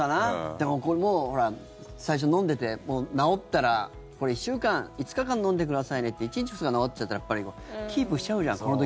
でも、ほら最初飲んでて、治ったらこれ１週間、５日間飲んでくださいねって１日、２日で治っちゃったらキープしちゃうじゃん。